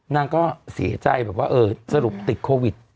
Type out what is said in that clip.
นางก็เสียใจแบบว่าเออสรุปติดโควิด